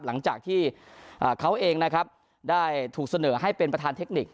หลังจากที่เขาเองนะครับได้ถูกเสนอให้เป็นประธานเทคนิค